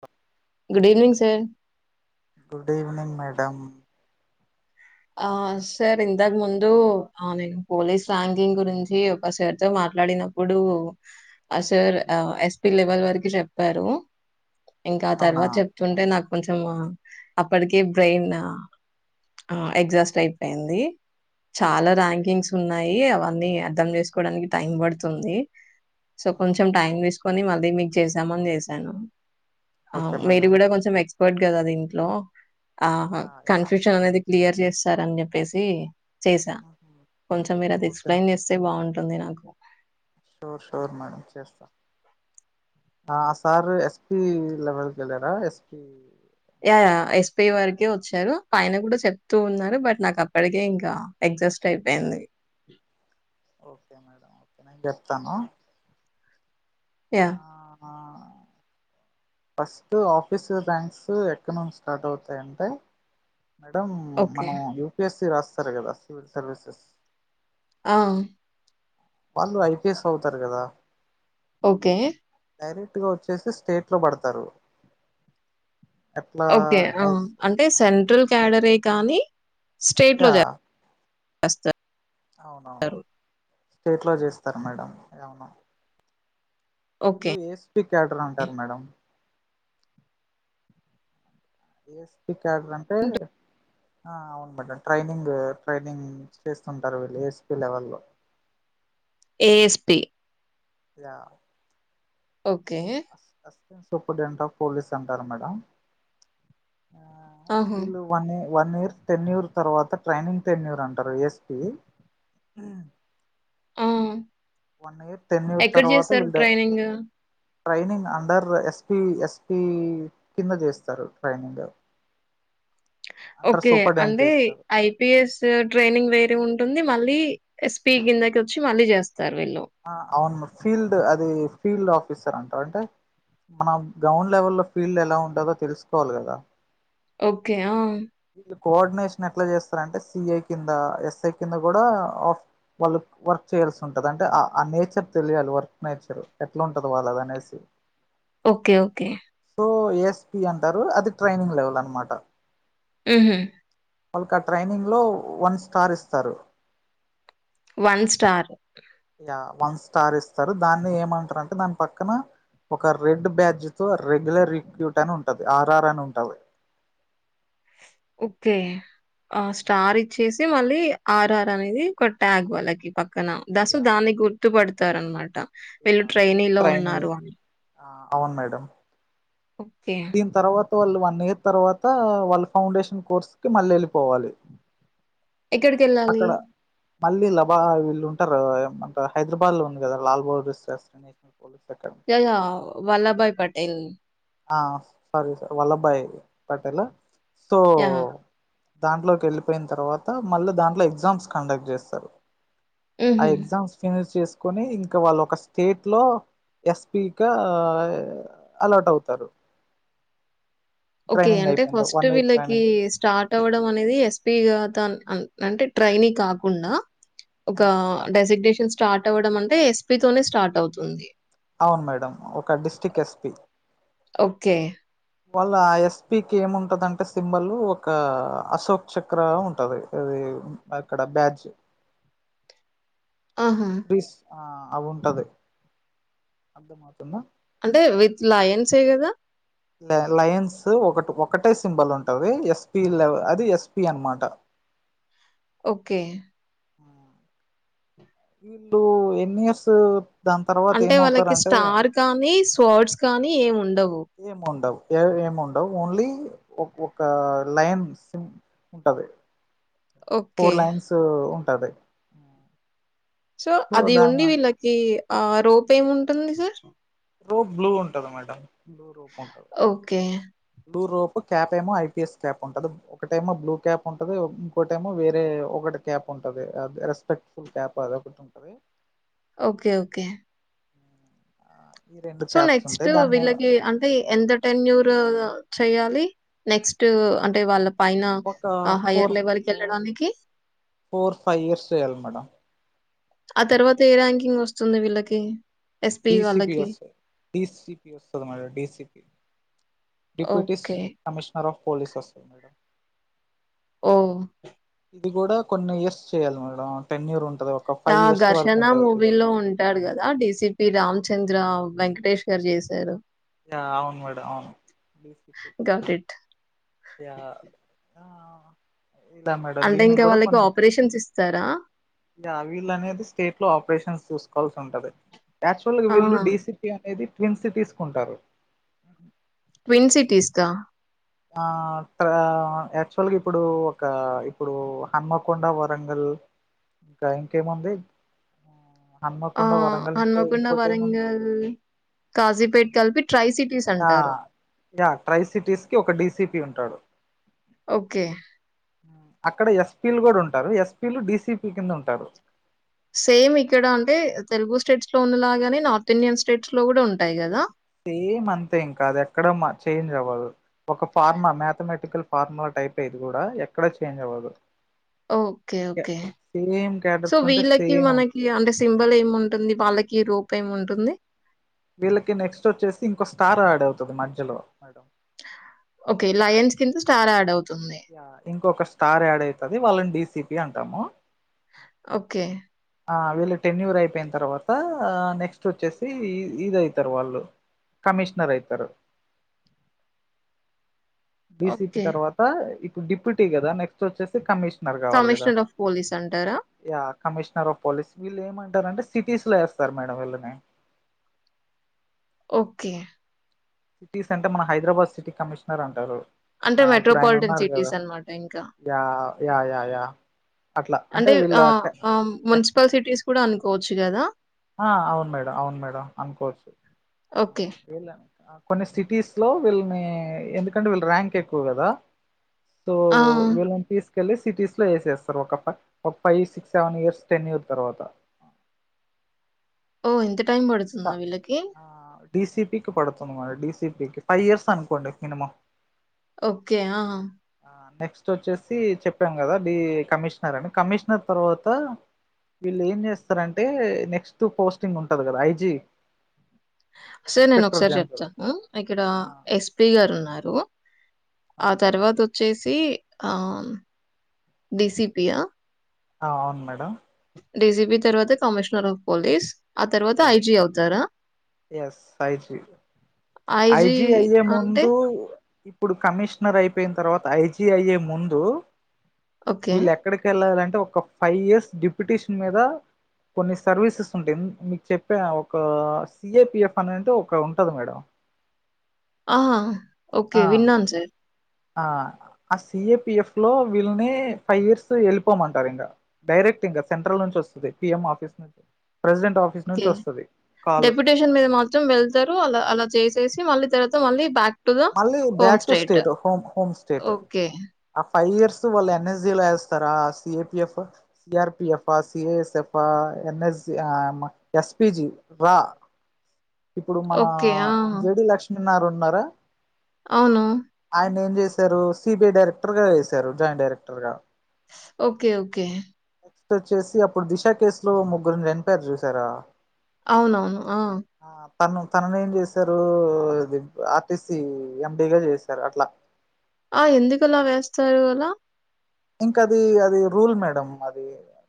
బ good evening sir good evening madam ఆ sir ఇంతకు ముందు ఆ నేను పోలీస్ యాంగంగ్ గురించి ఒక సారితో మాట్లాడినప్పుడు ఆ సార్ ఎస్పి లెవెల్ వరకి చెప్పారు ఇంకా ఆ అవునా తర్వాత చెప్తుంటే నాకు కొంచెం అప్పటికే బ్రెయిన్ ఎగ్జాస్ట్ అయిపోయింది చాలా ఓకే ర్యాంకింగ్స్ ఉన్నాయి అవ అర్ధం చేసుకోవడానికి టైం పడుతుంది సో కొంచెం టైం వేసుకొని మళ్ అ మీకు చేసామని చేసాను ఆ ఓకే మీరు మేడం కూడా కొంచెం ఎక్స్ వట్ కదా అది ఇంట్లో ఆహా ఆ, యా. కన్ఫ్యూషన్ అనేది క్లియర్ చేస్తారని చెప్పేసి చేసా మ్మ్. కొంచెం మీరు అది ఓకే ఎక్స్ప్లెయిన్ చేస్తే బాగుం ఉంది నాకు షూర్ షూర్ మేడం చేస్తా సార్ ఎస్పి లెవెల్కి వెళ్ళారా SP yeah yeah S P వరకే వచ్చారు ఆయన కూడా చెప్తూ ఉన్నారు బట్ నాకు అప్పటికే ఇంకా అడ్జస్ట్ అయిపోయింది ఓకే మేడం ఓకే నేను చెప్తాను ఆ యాహ్! ఫస్ట్ ఆఫీస్ బ్యాంక్స్ ఎక్కడ నుంచి స్టార్ట్ అవుతాయంటే మేడం మన ఓకే. యూపిఎస్ రాస్తారు కదా సివీల్ సర్విసెస్ ఆ వాళ్ళు ఐపిఎస్ అవుతారు కదా ఓకే డైరెక్ట్గా వచ్చేసి స్టేట్లో పడతారు ఎట్లా ఓకే ఆ అంటే సెంట్రల్ క్యాడర్ కానీ స్టేట్ లో యా జ రాస్ అవునవును స్టేట్ లో చేస్తారు మేడం ఏమనా ఓకే. వీళ్ళు ఏస్పి క్యాడర్ అంటారు మేడం ఏస్పి చ అంటే ఆ అవును మేడం ట్రైనింగ్ ట్రైనింగ్ చేస్తుంటారు వీళ్ళు ఎస్పి లెవెల్ లో ఏఎస్పిి యా ఓకే సూపర్డెట్ ఆఫ్ పోలీస్ అంటారు మేడం ఆ ఆహా! వీళ్ళువన్ ఏ వన్ ఇయర్ టెన్యూర్ తర్వాత ట్రైనింగ్ టెన్టీన్యూర్ అంటారు ఎస్పి ఆ వన్ ఇయర్ టెన్యూర్ ఎక్కడ తర్వాత జేస్తారు వీళ్ ట్రైనింగు? ట్రైనింగ్ అండరు ఎస్పి ఎస్పి కింద చేస్తారు ట్రైనింగ్ అండర్ ఓకే సూపరింటెండెంట్ అంటే చేస్తారు ఐపీఎస్ ట్రైనింగ్ వేరే ఉ ఉంటుంది మళ్ళీ ఎస్పీ కిందకి వచ్చి మళ్ళీ చేస్త ఆ అవును మ ఫీల్డ్ అది ఫీల్డ్ ఆఫీసర్ అంటారు అంటే మనం గ్రౌండ్ లెవెల్ లో ఫీల్డ్ ఎలా ఉంటదో తెలుసుకోవాలి కదా ఓకే ఆ వీళ్ళు కోఆర్డినేషన్ ఎట్లా చేస్తారంటే సిఏ కింద ఎస్ఐ కింద కూడా వాళ్ళు వర్క్ చేయాల్సి ఉంటది అంటే ఆ నేచర్ తెలియాలి వర్క్ నేచర్ ఎట్లా ఉంటది వాళ్ళది అనేసి ఓకే ఓకే ఓ ఏస్పి అంటారు అది ట్రైనింగ్ లెవెల్ అనమాట ఉహూ వాళ్ళకి ఆ ట్రైనింగ్ లో వన్ స్టార్ ఇస్తారు వన్ స్టార్ వన్ స్టార్ ఇస్తారు దాన్ని ఏమంటారుంటే దాని పక్కన ఒక రెడ్ బ్యాజ్ తో రెగ్యులర్ రిక్యూట్ అని ఉంటది ఆర్ ఆర్ అని ఉంటది ఓకే ఆ స్టార్ ఇచ్చేసి మళ్ళీ ఆర్ఆర్ అనేది ఒక ట్యాగ్ వాళ్ళకి పక్క న దశ యా దాన్ని గుర్తుపడు తరనమాట యా వీళ్ళు ట్రైని లో ట్రైనీ ఉన్నారు అని ఆ అవును మేడం ఓకే దీని తర్వాత వాళ్ళు వన్ ఇయర్ తర్వాత వాళ్ళ ఫౌండేషన్ కోర్స్ కి మళ్ళీ వెళ్ళిపోవాలి ఎక్కడికెళ్ళాలి? అక్కడ మళ్ళీ లబ వెళ్ళు ఉంటారు కదా హైదరాబాద్ లో ఉంది కదా లాల్ బోర్ [unintelligible] తెల్దా వల్లభాయి పటేల్ ఆ సరీ స వల్లబాయ పటేల్ ఆ య హ దాంట్లోకి వెళ్ళిపోయిన తర్వాత మళ్ళీ దాంట్లో ఎగ్జామ్స్ కండక్ట్ చేస్తారు ఆ హుహు. ఎగ్జామ్స్ ఫినిష్ చేస్త కొని ఇంకా వాళ్ళ ఒక స్టేట్ లో ఎస్పిగా అలాట్ అవుత తరు ఓకే అంటే ఫస్ట్ వన్ ఇయర్ ట్రైనింగ్ వీళ్ళకి స్టార్ట్ అవడం అనేది ఎస్పిగా దాన్ అంటే ట్రైని కాకుండా ఒక మేడం డెసిగ్నేషన్స్ స్టార్ట్ అవ్వడం అంటే ఎస్పి తోనే స్టార్ట్ అవుతుంది అవును మేడం ఒక డిస్ట్రిక్ట్ ఎస్పి ఓకే వాళ్ళ ఎస్పికి ఏముంటదింటే సింబల్ ఒక అశోక్ చక్ర ఉంటది ఇది అక్కడ బ్యాజ్ ఆహా ఆ అవి ఉంటది అర్థంమవుతుందా అంటే విత్ లా యన్సె గదా ల లైన్స్ ఒకటి ఒకటే సింబల్ ఉంటది ఎస్పి ల అది ఎస్పి అనమాట ఓకే వీళ్ళు ఎన్ని ఇయర్స్ దాని తర్వాత అంటే వాళ్ళకి ఏమవుతారంటే స్టార్ కానీస్ పొడ్స్ కానీ ఏం ఉ ఏ ఉండవ్ ఏ ఏమి ఉండవు ఓన్లీ ఒ ఒక లైన్ సిమ్ ఉంటంది ఓకే. ఫోర్ లైన్స్ టది సో అది ఉండి వీళ్ళకి ఆ రోప్ ఏముంటుంది సార్ రోప్ బ్లూ ఉంటది మేడం బ్లు రోప్ ఉంటంది ఓకే. బ్లూ రోపు క్యాప్ ఏమో ఐపీఎస్ క్యాప్ ఉంటది ఒకట ఏమో బ్లూ క్యాప్ ఉంటంది ఇంకోట ఏమో వేరే ఒకటి క్యాప్ ఉంటది అది రెస్పెక్ట్ఫుల్ క్యాప్ అది ఒకటి ఉంటంది ఓకే ఓకే ఈ రెండు సో క్యాప్స్ నెక్స్ట్ ఉంటాయి దాని మీద వీళ్ళకి అంటే ఎంత టెన్యూర్ చెయాలి నెక్స్ట్ అంటే వాళ్ళ పైన ఒక ఆహ్, హైయర్ ఫోర్ ఫోర్ లెవెల్‌కెళ్ళడానికి? ఫోర్ ఫైవ్ ఇయర్స్ చేయాలి మేడం ఆ తర్వాత ఏ ర్యాంకింగ్ వస్తుంది వీళ్ళకి ఎస్‌పీ డిసిపి వాళ్ళకి? వస్త డిసిపి వస్తది మే DCP deputies okay. Commissioner of police అస్తది మేడం ఓ ఇది కూడా కొన్ని ఇయర్స్ చేయాలి మేడం టెన్న్యూర్ ఉం ఆ ఘర్షణ మూవీ లో ఉంటాడు కదా డిసిపి రామ్ చ చంద్ర వెంకటేష్ గారు చేశారు అవును మేడం అవును గాట్ ఇట్. ఆ దా మేడం అంటే దీనికి ఇంకా కూడా వాళ్ళకి కొన్ని ఆపరేషన్స్ ఇస్తారా? విళ్లు అనేది స్టేట్ లో ఆపరేషన్స్ చూసుకోవాల్సి ఉంటది యాక్చువల్గా ఆ! వీళ్ళు డీసిపీ అనేది ట్విన్ సిటీస్ కుంటారు క్విన్ సిటీస్గా ఆ త్రా యాక్చువల్గా ఇప్పుడు ఒక ఇప్పుడు హన్మకొండ వరంగల్ ఇంకా ఇంకేముంది ఆ హన్మకొండ వరంగల్ ఇంకో అన్నపిండ ఇంకోటి ఏముంది వరంగల్ కాజీపేట కలిపి ట్రై సిటీస్ ఆ అంటారు టాడు ఓకే అక్కడ ఎస్పిలు కూడా ఉంటారు ఎస్పి లు డిసిపి కింద ఉంటారు సేమ్ ఇక్కడ అంటే తెలుగు స్టేట్స్ లో ఉన్నలాగాని నార్త్ ఇండియన్ స్టేట్స్ లో కూడా ఉంటాయి కదా సేమ్ అంతే ఇంకా అది ఎక్కడ మా చేంజ్ అవ్వదు ఒక ఫార్మా మ్యాథమెటికల్ ఫార్ములా టైప్ ఇది కూడా ఎక్కడ చేంజ్ అవ్వదు okay okay same so characters ఉంటే వీళ్ళకి సేమ్ ఉంటాయి మనకి అంటే సింబల్ ఏమి ఉంటుంది వాళ్ళకి రూపై ఏమి ఉంటు కుంటంది వీళ్ళకి నెక్స్ట్ వచ్చేసి ఇంకో స్టార్ యాడ్ అవుతుంది మధ్యలో మేడం ఓకే లైన్స్ కింద స్టార్ ఆడ్ అవుంది యా ఇంకొక స్టార్ యాడ్ అవుతది వాళ్ళని డిసి పి అంటాము ఓకే ఆ వీళ్ళు టెన్యూర్ అయిపోయిన తర్వాత నెక్స్ట్ వచ్చేసి ఇ ఇది అయితారు వాళ్ళు కమిషనర్ అయితారు బిసిపి ఓకే. తర్వాత డిప్యూటీ కదా నెస్ట్ వచ్చేసి కమిషన్ మరి కావాలి కదా కమిషనర్ ఆఫ్ పోలీస్ అంటారా? ఇగా కమిషనర్ ఆఫ్ పోలీస్ వీళ్ళు ఏమంటారంటే సిటీస్ లో వేస్తారు మేడం వీళ్ళని ఓకే సిటీస్ అంటే మన హైదరాబాద్ సిటీ కమిషనర్ అంటారు అంటే ఆ ఇప్పుడు ఆయన మెట్రోపాలిటన్ ఉన్నారు కదా సిటీస్ అనమాట ఇంకా యా యా యా యా అట్లా అంటే వీళ్ళ ఆ క- ఆ ఎక్స్- మున్సిపల్ సిటీస్ ఇప్పుడు అనుకోవచ్చు కదా ఆ అవును మేడం అవును మేడం అనుకోవచ్చు ఓకే. వెళను కొన్ని సిటీస్ లో వీళ్ళని ఎందుకంటే వీళ్ళ ర్యాంక్ ఎక్కువ కదా సో ఆ! విలనీ తీస్ కి వెళ్ళలి సిటీస్ లో వేసేస్తారు ఒక ఫై్ ఒక five six seven years ten year తర్వాత ఓ ఇ [unintelligible] టైం పడుతుందా వీళ్ళకి డిసిపీకి పడుతుంది మేడం డీసిపీకి ఫైవ్ ఇయర్స్ అనుకోండి మినిమం ఓకే ఆహా హ నెక్స్ట్ వచ్చేసి చెప్పాం కదా కమిషనర్ అని కమిషనర్ తర్వాత వీళ్ళు ఏం చేస్తారంటే నెక్స్ట్ పోస్టింగ్ ఉంటది కదా ఐజీ సో నేను ఇన్స్పెక్టర్ ఒకసారి జనరల్ చెప్తాను ఇక్కడ ఆ ఎస్పీ గారు ఉన్నారు [inaudible] ఆ అవును మేడం తర్వాత వచ్చేసి ఆ డిసిపియా ఆ అవును మేడం డీజీపీ తర్వాత కమిషనర్ ఆఫ్ పోలీస్ ఆ తర్వాత యాస్ ఐజీ అవుతారా? Yes I. G I. IG G అయ్యే అంటే ముందు ప్పుడు కమిష్నర్ అయిపోయిన తర్వాత ఐ. జీ అయ్యే ముందు. ఓకే. వీల్లేక్కడికి వెళ్ళాలంట్ టే ఒక ఫైవ్ ఇయర్స్ డిప్యుటేషన్ మీద కొన్ని సర్వీసెస్ ఉంటాయి. మ్మ్ చెప్పా ఒక సి. ఎ. పి. ఎఫ్ అనేంటే ఒక ఉంటది మేడం. ఆ ఓకే ఆ విన్నాను సార్ ఆ ఆ సి. ఏ. పి. ఎఫ్ లో వీళ్ళని ఫైవ్ ఇయర్స్ వెళ్ళిపోమంటారు ఇంగా. డైరెక్ట్ ఇంగా సెంట్రల్ నుంచి వస్తది. పి. ఎం ఆఫీస్ నుంచి ప్రెసిడెంట్ ఆఫీస్ ఓకే నుంచి వస్తుంది కాల్ డెప్యూటేషన్ మీద మాత్రం వెళ్తారు. అలా అలా చేసేస్ మళ్ళీ తర్వాత మళ్లీ బాక్ మళ్ళీ back to state home home state okay. Five years వాళ్ళు ఎన్. ఎస్జి లా ఏస్తారా. C. A. P. F, C. RP. F, C. A. S. F, N. SG ఆ అమ్మ ఎస్పి. జి రా ఇప్పుడు మన ఓకే. ఆ! జేడి లక్ష్మి న్నారు ఉన్నారా. అవును సారూ సి. బి. ఐ. డైరెక్టర్గా ఏసారు, జాయింట్ డైరెక్టర్గా. ఓకే ఓకే స్ట్ వచ్చేసి అప్పుడు దిశ కేసు లో ముగ్గురునేంపారు చూసారా? అవునవును ఆ నన్ను తననేం చేశారు. ఇది ఆర్టిస్ట్ సి ఎం. పీ. గా చేసార్ అట్లా ఆ ఎందుకులా వేస్తారు? అలా! ఇంకా అది అది రూల్ మేడం. అది ఆ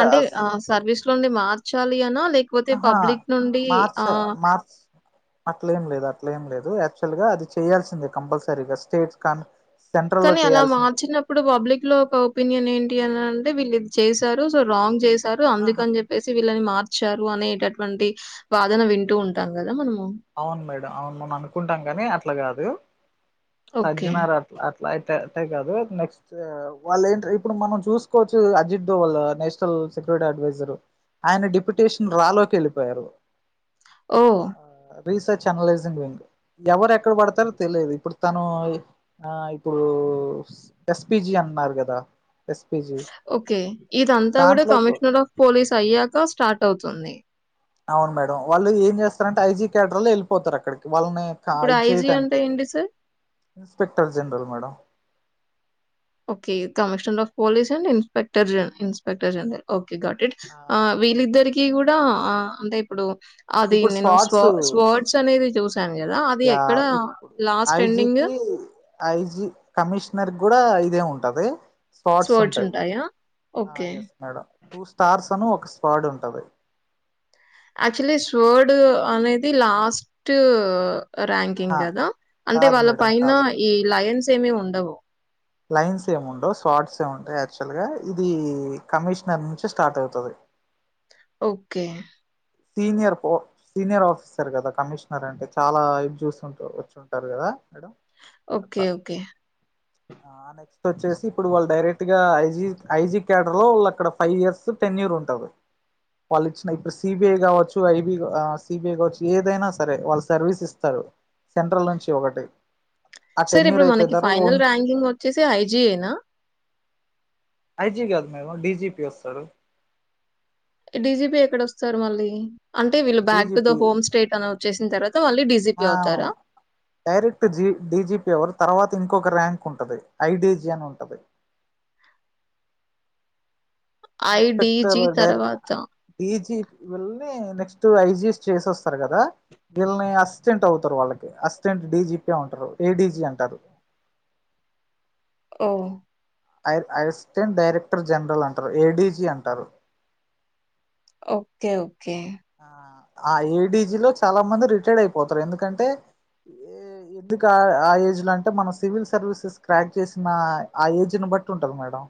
అంటే ఆ సర్వీస్లోది మార్చ్ చాలియాన్న. లేకపోతే ఆహా పబ్లిక్ నుండి మార్చ్ ఆ మార్చ్ అట్లేం లేదు, అట్లేం లేదు. యాక్చువల్ గా అది చేయాల్సిందే. కంపల్సరీగా స్టేట్స్ కాన్ సెంట్రల్ లో కానీ అలా చేయాల్సింది మార్చినప్పుడు. పబ్లిక్ లో ఒక ఒపీనియన్ ఏంటి అనన్ అంటే వీళ్ళుది చేశారు. సో రాంగ్ చేస్ తారు. అందుక ఆహా అని చెప్పేసి వి ళ్ళని మార్చారు అనేటటువంటి. వాదన వింటూ ఉంటాం కదా. మనం అవును మేడం అవును మనం అనుకుంటాం. గాని అట్ల్ లాగాదు ఓకే. సజ్జనారా అట్లా అట్లా ఏ టే తే గాదు. నెక్స్ట్ వాళ్ళు ఏంటి ఇప్పుడు మనం చూసుకోవచ్చు. Ajit Doval national security adviser. ఆయన డిప్యుటేషన్ రాలోకి వెళ్ళిపోయారు. ఓ రీసెర్చ్ అనలైజింగ్ వింగ్ ఎవరు ఎక్కడ పడతారో తెలియదు ఇప్పుడు తను ఇప్పుడు ఎస్పిజి అన్నారు కదా ఎస్పిజి ఓకే ఇదంతా కూడా దాంట్లో కమిషనర్ ఆఫ్ పోలీస్ అయ్యాక స్టార్ట్ అవుతుంది అవును మేడం వాళ్ళు ఏం చేస్తారంటే ఐజీ కేడర్ లో వెళ్ళిపోతారు అక్కడికి వాళ్ళని ఇప్పుడు ఇది ఐజీ అంటే చేయటానికి ఏంటి sir? Inspector general madam okay commissioner of police and inspector inspector అడికే ఓకే గాట్ ఇట్ వీళ్ళిద్దరిక కూడా ఆ అంటే ఇప్పుడు అది ఇప్పుడు నేను స్వ స్పాట్స్ స్వర్డ్స్ అనేది చూసాను గదా! అది ఎక్కడ ఇప్పుడు లాస్ట్ ఎండింగ్ ఐజీకి ఐజీ కమిషనర్ కూడా ఇదే ఉంటది స్ర్ట్స్ స్వర్డ్స్ ఉంటాయి ఉంటాయా? Okay. Yes madam two stars అని ఒక ఒక స్పాడ్ ఉంటుంది యాక్చులీ స్వర్డ్ అనేది లాస్ట్ ర్యాంకింగ్ ఆహా కదా అంటే కాదు వాళ్ళ మేడం పైన కాదు కాదు ఈ లయన్స్ సమమి ఉండవు లైన్స్ ఏమిండవు షార్ట్స్ ఏముంటాయి యాక్చువల్ గా ఇది కమిషనర్ నుంచి స్టార్ట్ అవుతది ఓకే సీనియర్ సీనియర్ ఆఫీసర్ కదా కమిషనర్ అంటే చాలా ఇది చూస్తు వచ్చుంటారు కదా మేడం ఓకే అట్లా ఓకే నెక్స్ట్ వచ్చేసి ఇప్పుడు వాళ్ళు డైరెక్ట్ గా ఐజీ ఐజీ కడర్ లో వాళ్ళు అక్కడ ఫైవ్ ఇయర్స్ టెన్ ఇయర్ ఉంటది వాళ్ళ ఇచ్చిన సిబిఐ కావచ్చు ఐబి సిబిఐ కావచ్చు ఏదైనా సరే వాళ్ళు సర్వీస్ ఇస్తారు సెంట్రల్ నుంచి ఒకటి ఆ సార్ టెన్యూర్ ఇప్పుడు అయిపోయిన మనకి తర్వాత ఫైనల్ ఓన్ ర్యాంకింగ్ వచ్చేసి ఐజిఐనా ఐజీ కాదు మేము డీజిపీ వస్తారు డీజిపీ ఎక్కడ వస్తారు మళ్ళీ అంటే వీళ్ళు back to the DGP home state అని వచ్చేసిన తర్వాత వాళ్ళీ డీజిపీ ఆ అవుతారా డైరెక్ట్ జీ డీజీపీ ఎవరు తర్వాత ఇంకొక ర్యాంక్ ఉంటది ఐడజియన్ ఉంటది ఐడీజీ ఇన్స్పెక్టర్ డై తర్వాత. డిజిపీ వెళ్ నెక్స్ట్ ఐజిఎస్ చేసి వస్తారు కదా వీళ్ళని అసిస్టెంట్ అవుతారు వాళ్ళకి అసిస్టెంట్ డీజిపీ ఉంటారు ఏడీజి అంటారు ఓ అజ్ అసిస్టెంట్ డైరెక్టర్ జనరల్ అంటారు ఏడీజీ అంటారు ఓకే ఓకే ఆ ఆ ఏడజీ లో చాలా మంది రిటైర్డ్ అయిపోతారు ఎందుకంటే ఎందుకు ఆ ఏజ్ లో అంటే మనం సివిల్ సర్వీసెస్ క్రాక్ చేసిన ఆ ఏజ్ బట్టి ఉంటది మేడం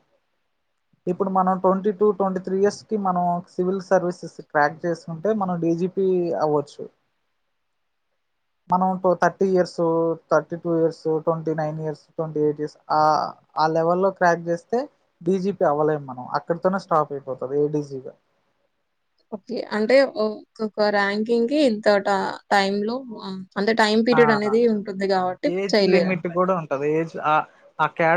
ఇప్పుడు మనం twenty two twenty three years కి మనం సివిల్ సర్వీసెస్ కక్ చే ంట మనం డీజిపీ అవ్వచ్చు మనం thirty years thirty two years twenty nine years twenty eight years ఆ లెవెల్ లో క్రాక్ చేస్తే డీజిపీ అవ్వలేము మనం అక్కడతోనే స్టాప్ అయిపోతుంది ఏడీజగా ఓకే అంటే ఒక ర్యాంకింగ్ కి ఇంత టైమ్ లో అంటే టైమ్ ఆ పీరియడ్ అనేది ఉంటుంది కాబట్టి ఏజ్ లిమిట్ చేయలేరునమాట కూడా ఉంటది ఏజ్ ఆ ఆ క్యాడ్